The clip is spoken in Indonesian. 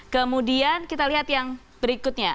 kemudian kita lihat yang berikutnya